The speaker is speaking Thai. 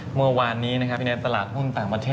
เมื่อวานนี้ในตลาดหุ้นต่างประเทศ